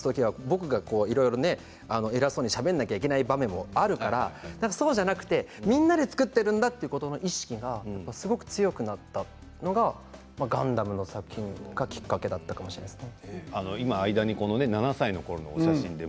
総合演出なんだということをすごく学んででも矢面に立つ時は僕がいろいろと偉そうにしゃべらなければいけない場面もあるからでもそうじゃなくてみんなで作っているという意識がすごく強くなったのが「ガンダム」の作品がきっかけだったかもしれないですね。